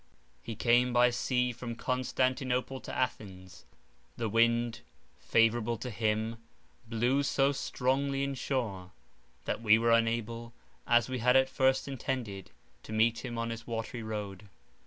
He came by sea from Constantinople to Athens. The wind, favourable to him, blew so strongly in shore, that we were unable, as we had at first intended, to meet him on his watery road.